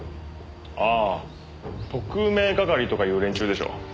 ああ特命係とかいう連中でしょ？